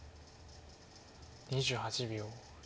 ２８秒。